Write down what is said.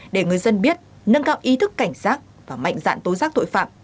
để người dân biết nâng cao ý thức cảnh giác và mạnh dạn tố giác tội phạm